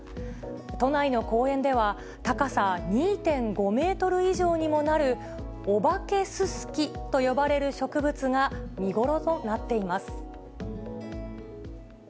都内の公園では、高さ２．５メートル以上にもなるお化けススキと呼ばれる植物が見頃となっています。